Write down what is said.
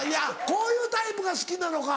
こういうタイプが好きなのか。